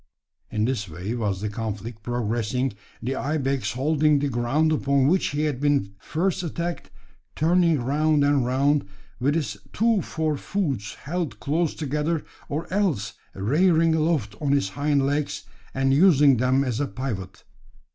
In this way was the conflict progressing, the ibex holding the ground upon which he had been first attacked, turning round and round, with his two fore hoofs held close together, or else rearing aloft on his hind legs, and using them as a pivot.